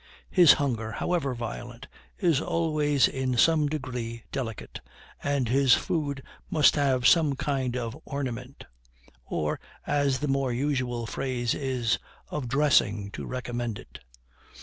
His hunger, however violent, is always in some degree delicate, and his food must have some kind of ornament, or, as the more usual phrase is, of dressing, to recommend it.